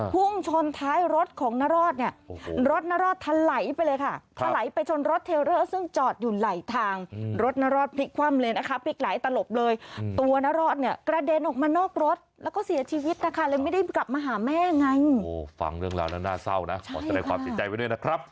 พรุ่งชนท้ายรถของนารอดนี่รถนารอดทะไหลไปเลยค่ะ